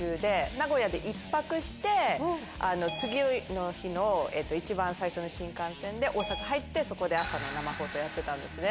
名古屋で１泊して次の日の一番最初の新幹線で大阪入ってそこで朝の生放送をやってたんですね。